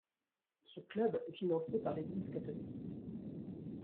Ce club est financé par l'Église catholique.